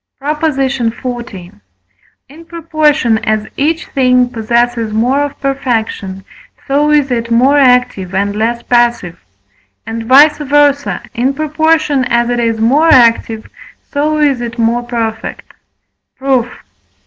PROP. XL. In proportion as each thing possesses more of perfection, so is it more active, and less passive; and, vice versâ, in proportion as it is more active, so is it more perfect. Proof.